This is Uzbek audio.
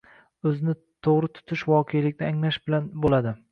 O‘zni to‘g‘ri tutish voqelikni anglash bilan bo‘ladi.